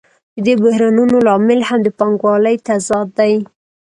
د دې بحرانونو لامل هم د پانګوالۍ تضاد دی